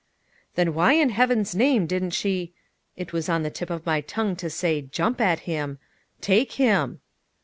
"Then why in Heaven's name didn't she" (it was on the tip of my tongue to say "jump at him") "take him?"